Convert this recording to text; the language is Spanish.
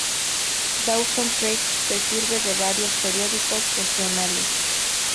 Dawson Creek se sirve de varios periódicos regionales.